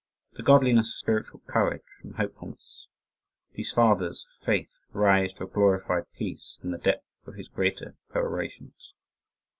The Godliness of spiritual courage and hopefulness these fathers of faith rise to a glorified peace in the depth of his greater perorations.